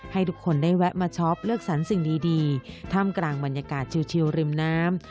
ให้ทุกคนได้แวะมาช็อปเลือกสรรสิ่งดีท่ามกลางบรรยากาศชิลริมน้ำ